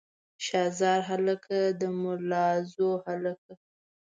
شاه زار هلکه د ملازو هلکه.